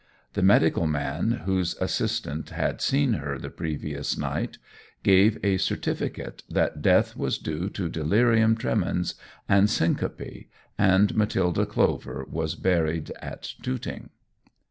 The medical man whose assistant had seen her the previous night, gave a certificate that death was due to delirium tremens and syncope, and Matilda Clover was buried at Tooting.